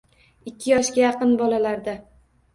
Ikki yoshga yaqin bolalarda